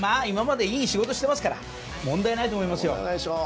今までいい仕事してますから問題ないと思いますよ。